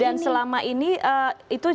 dan selama ini itu jerusalem